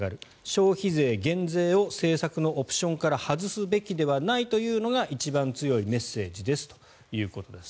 消費税減税を政策のオプションから外すべきではないというのが一番強いメッセージですということです。